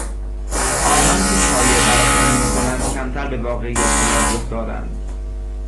آنانکه شایعه پراکنی میکنند کمتر به واقعیت توجه دارند.